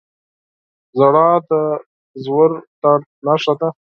• ژړا د ژور درد نښه ده.